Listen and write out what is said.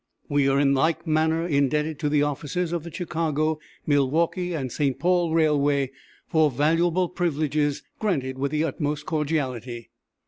We are in like manner indebted to the officers of the Chicago, Milwaukee and St. Paul Railway for valuable privileges granted with the utmost cordiality.